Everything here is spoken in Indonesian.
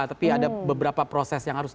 tapi ada beberapa proses yang harus